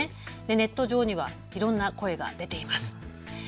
ネット上ではいろんな声が出ています。